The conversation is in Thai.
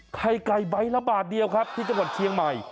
ไข่ไก่ใบละบาทเดียวครับที่จังหวัดเชียงใหม่